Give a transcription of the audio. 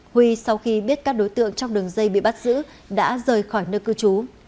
huy sau khi biết các đối tượng trong đường dây bị bắt giữ đã rời khỏi nơi cư trú